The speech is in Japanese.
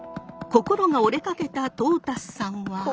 心が折れかけたトータスさんは。